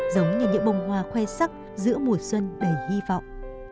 giống như những bông hoa khoe sắc giữa mùa xuân đầy hy vọng